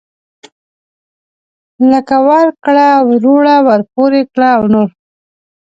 لکه ورکړه وروړه ورپورې کړه او نور.